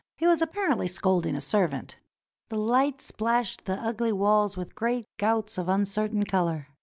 He was apparently scolding a servant. The light splashed the ugly walls with great gouts of uncertain color.